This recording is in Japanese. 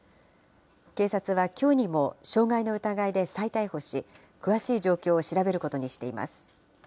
警察はきょうにも傷害の疑いで再逮捕し、詳しい状況を調べることにしています。